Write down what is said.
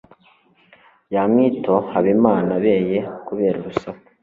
yamwitohabimanabeye kubera urusaku